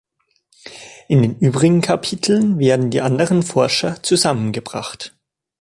In den übrigen Kapiteln werden die anderen Forscher zusammengebracht.